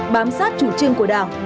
bám sát chủ trương của đảng